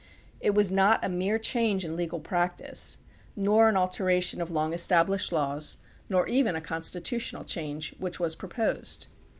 It was not a mere change in legal practice, nor an alteration of long established laws, nor even a constitutional change, which was proposed.